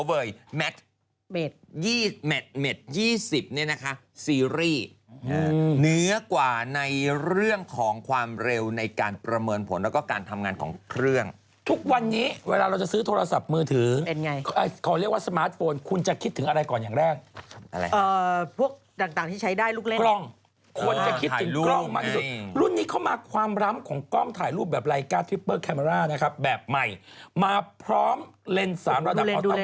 ฟาคฟาคฟาคฟาคฟาคฟาคฟาคฟาคฟาคฟาคฟาคฟาคฟาคฟาคฟาคฟาคฟาคฟาคฟาคฟาคฟาคฟาคฟาคฟาคฟาคฟาคฟาคฟาคฟาคฟาคฟาคฟาคฟาคฟาคฟาคฟาคฟาคฟาคฟาคฟาคฟาคฟาคฟาคฟาค